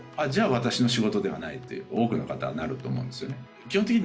私の仕事ではないって多くの方はなると思うんですよね。